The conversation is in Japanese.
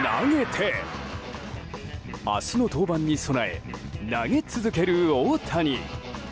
明日の登板に備え投げ続ける大谷。